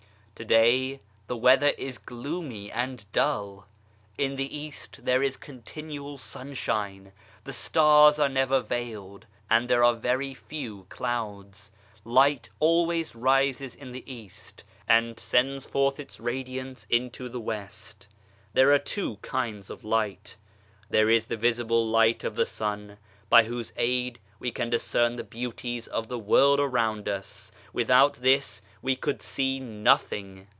DAY the weather is gloomy and dull ! In the East there is continual sunshine, the stars are never veiled, and there are very few clouds. Light always rises in the East and sends forth its radiance into the West. There are two kinds of light. There is the visible light of the sun, by whose aid we can discern the beauties of the world around us without this we could see nothing.